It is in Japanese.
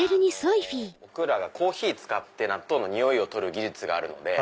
僕らがコーヒー使って納豆のにおいを取る技術があるので。